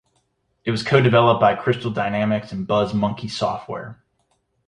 It was co-developed by Crystal Dynamics and Buzz Monkey Software.